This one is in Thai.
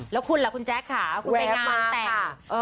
แล้วคุณล่ะคุณแจ๊คค่ะคุณไปงานแต่ง